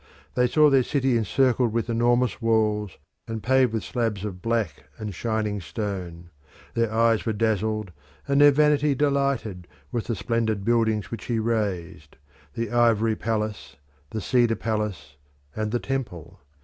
They saw their city encircled with enormous walls, and paved with slabs of black and shining stone. Their eyes were dazzled and their vanity delighted with the splendid buildings which he raised the ivory palace, the cedar palace, and the temple.